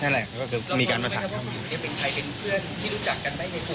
อันนี้ยังไม่รู้